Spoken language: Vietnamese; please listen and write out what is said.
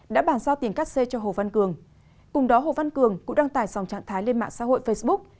đã bàn giao tiền cắt xê cho hồ văn cường cùng đó hồ văn cường cũng đăng tải dòng trạng thái lên mạng xã hội facebook